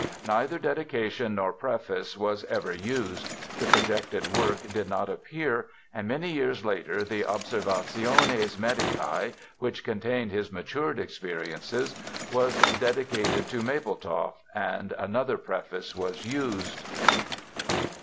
Neither dedication nor preface was ever used. The projected work did not appear and many years later the Observationes Medicac, which contained his matured experiences, was dedicated to Mapletoft, and another preface was used.